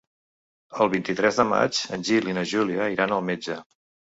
El vint-i-tres de maig en Gil i na Júlia iran al metge.